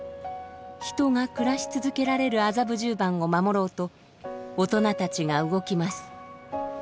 人が暮らし続けられる麻布十番を守ろうと大人たちが動きます。